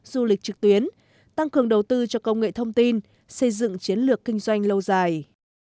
du lịch trực tuyến tăng cường đầu tư cho công nghệ thông tin xây dựng chiến lược kinh doanh lâu dài